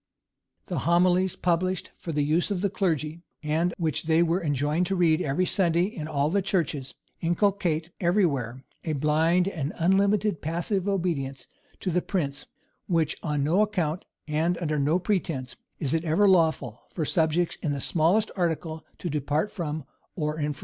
The homilies published for the use of the clergy, and which they were enjoined to read every Sunday in all the churches, inculcate every where a blind and unlimited passive obedience to the prince, which on no account, and under no pretence, is it ever lawful for subjects in the smallest article to depart from or infringe.